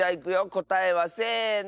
こたえはせの。